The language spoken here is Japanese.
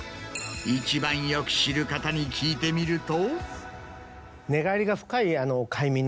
一番よく知る方に聞いてみると。